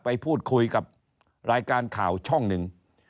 ไปพูดคุยกับรายการข่าวช่องหนึ่ง